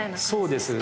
そうです。